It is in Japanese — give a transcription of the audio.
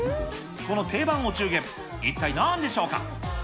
この定番お中元、一体なんでしょうか？